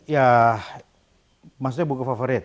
ya maksudnya buku favorit